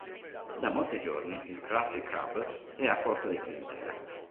Da molti giorni il Krusty Krab è a corto di clientela.